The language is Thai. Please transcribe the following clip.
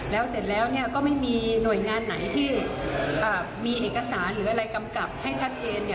แล้วเสร็จแล้วก็ไม่มีหน่วยงานไหนที่มีเอกสารหรืออะไรกำกับให้ชัดเจน